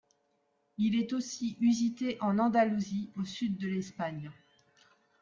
Il est aussi usité en Andalousie, au sud de l’Espagne.